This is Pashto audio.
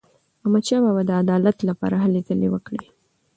احمدشاه بابا د عدالت لپاره هلې ځلې وکړې.